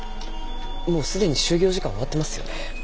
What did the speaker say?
もう既に就業時間終わってますよね。